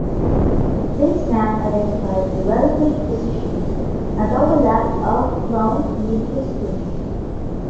This map identifies the relative positions and overlap of the clones used for sequencing.